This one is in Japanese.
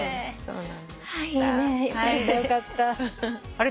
あれ？